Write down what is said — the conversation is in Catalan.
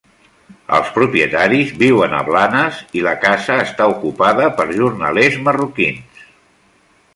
Els propietaris viuen a Blanes i la casa està ocupada per jornalers marroquins.